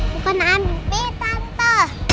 bukan ambil tante